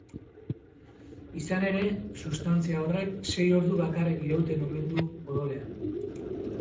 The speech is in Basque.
Izan ere, sustantzia horrek sei ordu bakarrik irauten omen du odolean.